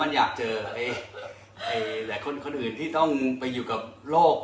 มันอยากเจอหลายคนคนอื่นที่ต้องไปอยู่กับโลก